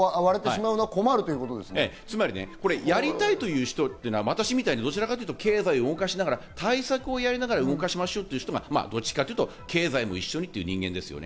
やりたいという人というのは、私みたいに経済を動かしながら、対策をやりながら動かしましょうという人がどちらかというと経済も一緒にという人間ですね。